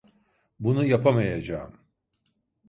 Bunu yapamayacağım.